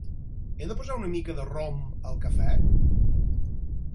He de posar una mica de rom al cafè?